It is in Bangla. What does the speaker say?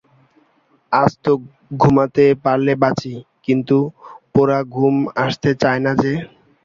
আজ তো ঘুমোতে পারলে বাঁচি, কিন্তু পোড়া ঘুম আসতে চায় না যে।